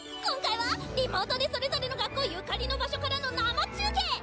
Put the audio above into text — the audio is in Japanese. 今回はリモートでそれぞれの学校ゆかりの場所からの生中継！